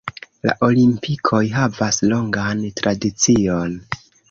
La Olimpikoj havas longan tradicion.